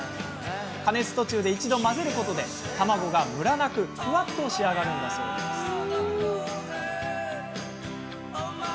加熱途中で一度、混ぜることで卵がムラなくふわっと仕上がるのだそうですよ。